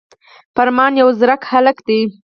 فرمان يو ځيرک هلک دی